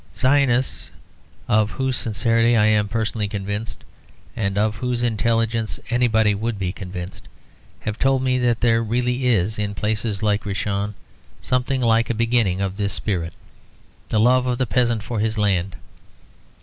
Zionists of whose sincerity I am personally convinced, and of whose intelligence anybody would be convinced, have told me that there really is, in places like Rishon, something like a beginning of this spirit; the love of the peasant for his land.